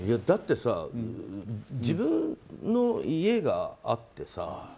だってさ、自分の家があってさ